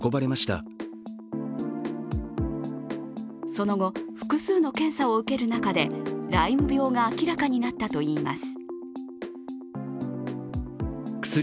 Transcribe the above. その後、複数の検査を受ける中でライム病が明らかになったといいます。